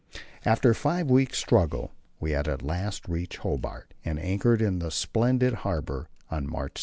After a five weeks' struggle we at last reached Hobart and anchored in the splendid harbour on March 7.